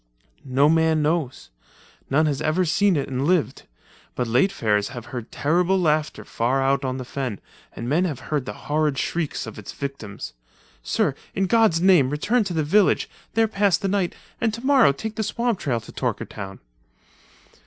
"No man knows. None has ever seen, it and lived, but late farers have heard terrible laughter far out on the fen and men have heard the horrid shrieks of its victims. Sir, in God's name return to the village, there pass the night, and tomorrow take the swamp trail to Torkertown."